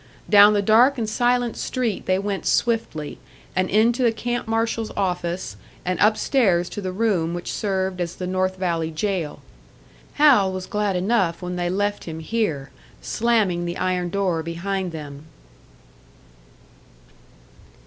Down the dark and silent street they went swiftly, and into the camp marshal's office, and upstairs to the room which served as the North Valley jail. Hal was glad enough when they left him here, slamming the iron door behind them.